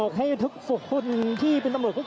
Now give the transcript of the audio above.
คุณภูริพัฒน์ครับ